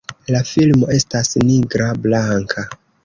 La filmo estas nigra-blanka.